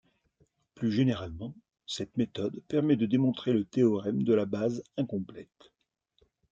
Plus généralement, cette méthode permet de démontrer le théorème de la base incomplète.